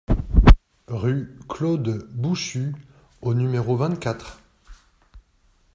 Rue Claude Bouchu au numéro vingt-quatre